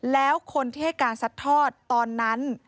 แล้วคนที่ให้การซัดทอดตอนนั้น